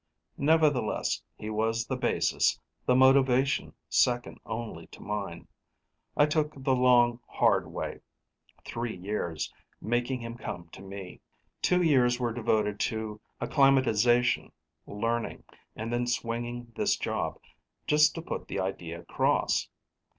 Nevertheless he was the basis, the motivation second only to mine. I took the long, hard way three years making him come to me. Two years were devoted to acclimatization, learning, and then swinging this job: just to put the idea across.